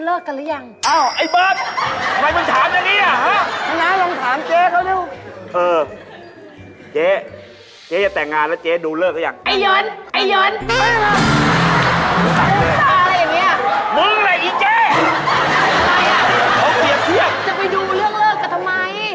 เลิกย่ามก็จะแต่งงานวันไหนบ้างเจ้าหมอ